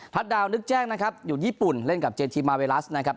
ดาวนึกแจ้งนะครับอยู่ญี่ปุ่นเล่นกับเจทีมมาเวลัสนะครับ